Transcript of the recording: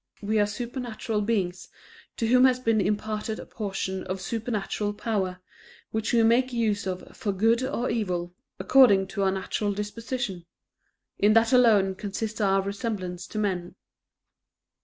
We are supernatural beings, to whom has been imparted a portion of supernatural power, which we make use of for good or evil, according to our natural disposition; in that alone consists our resemblance to men."